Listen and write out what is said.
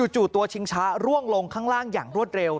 จู่ตัวชิงช้าร่วงลงข้างล่างอย่างรวดเร็ว